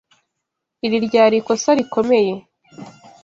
Iri ryari ikosa rikomeye.